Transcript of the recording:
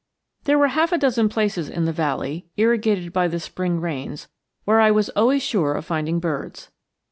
THERE were half a dozen places in the valley, irrigated by the spring rains, where I was always sure of finding birds.